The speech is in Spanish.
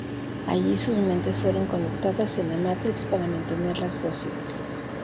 Allí sus mentes fueron conectadas en la Matrix para mantenerlas dóciles.